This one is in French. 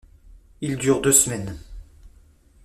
Il dure deux semaines.